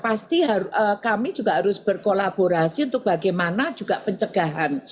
pasti kami juga harus berkolaborasi untuk bagaimana juga pencegahan